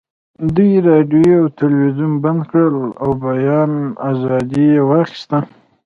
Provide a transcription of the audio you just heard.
دوی راډیو او تلویزیون بند کړل او بیان ازادي یې واخیسته